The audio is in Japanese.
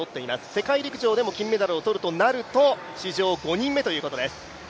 世界陸上でも金メダルを取るとなると、史上５人目ということです。